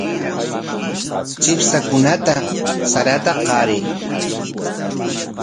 Chipshakunata sarata qaray.